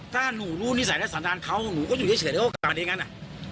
ถ้าหนูรู้นิสัยและสันดาลเขาหนูก็อยู่เฉยแล้วก็กลับมาดีกันอ่ะ